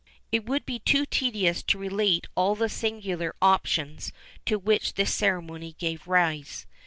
[XIV 18] It would be too tedious to relate all the singular opinions to which this ceremony gave rise.